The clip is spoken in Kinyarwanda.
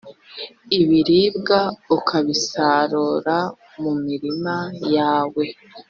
ibiribwa ukabisarura mu mirima yawe.